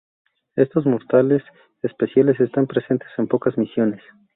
Estos mortales "especiales" están presentes en pocas misiones.